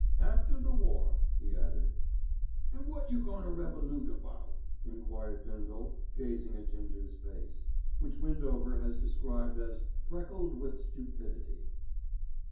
"After the war," he added. "An' wot jer goin' to revolute about?" enquired Bindle, gazing at Ginger's face, which Windover has described as "freckled with stupidity."